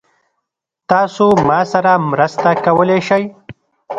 تاسو ما سره مرسته کولی شئ؟